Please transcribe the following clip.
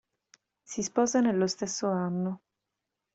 Si sposa nello stesso anno.